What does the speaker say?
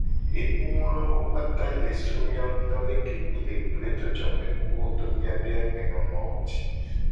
Enu wawo kpata le so mia nguto leke mi le gble jojomenuwo to miabe agbenonowo ji.